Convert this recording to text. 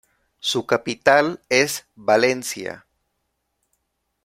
Su capital es Valencia.